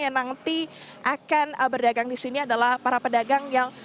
yang nanti akan berdagang di sini adalah para pedagang yang